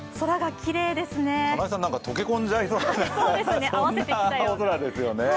金井さん溶け込んじゃいそうなそんな青空ですね。